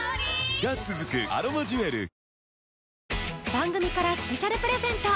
番組からスペシャルプレゼント